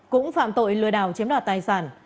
cũng phạm tội lừa đảo chiếm đoạt tài sản